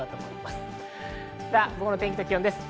午後の天気と気温です。